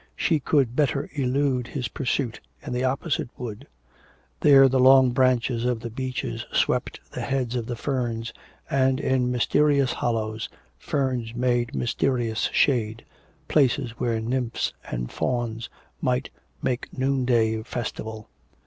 She could better elude his pursuit in the opposite wood. There the long branches of the beeches swept the heads of the ferns, and, in mysterious hollows, ferns made mysterious shade, places where nymphs and fauns might make noonday festival.